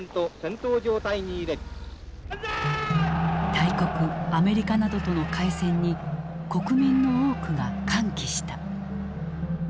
大国アメリカなどとの開戦に国民の多くが歓喜した。